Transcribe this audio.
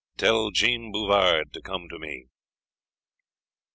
Tell Jean Bouvard to come to me."